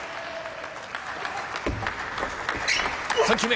３球目！